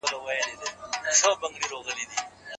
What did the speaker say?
هغه بل ضرر دفع کړی دی.